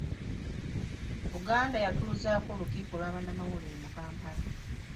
Buganda yatuuzaako olukiiko lwa bannamawulire mu Kampala.